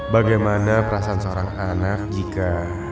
bagaimana perasaan seorang anak jika